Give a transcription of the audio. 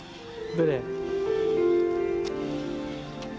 どれ？